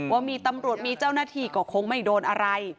ว่ามีตำรวจมีเจ้าหน้าที่ก็คงไม่โดนอะไร